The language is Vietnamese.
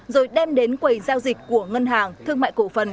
rồi đem đến quầy giao dịch của ngân hàng thương mại cổ phần